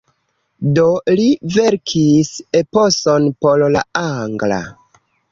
Do li verkis eposon por la angla.